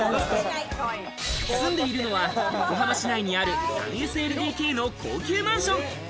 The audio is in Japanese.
住んでいるのは横浜市内にある３ＳＬＤＫの高級マンション。